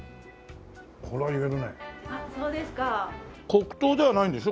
黒糖ではないんでしょ？